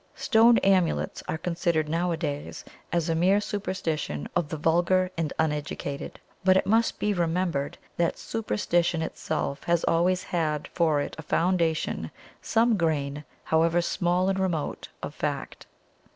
Stone amulets are considered nowadays as a mere superstition of the vulgar and uneducated; but it must be remembered that superstition itself has always had for it a foundation some grain, however small and remote, of fact.